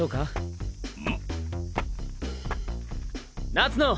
夏野！